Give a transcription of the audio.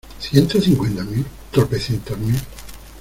¿ ciento cincuenta mil? ¿ tropecientas mil ?